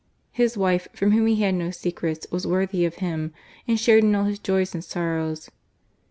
His wife, from whom he had no secrets, was worthy of him, and shared in all his joys and sorrows.